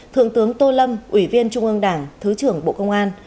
thượng tướng tô lâm ủy viên trung ương đảng thứ trưởng bộ công an